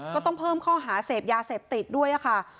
ก็ต้องเพิ่มข้อหาเสพยาเสพติดด้วยค่ะ